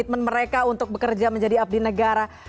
komitmen mereka untuk bekerja menjadi abdi negara